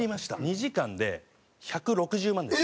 ２時間で１６０万です。